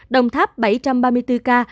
đồng tháp bảy trăm ba mươi bốn ca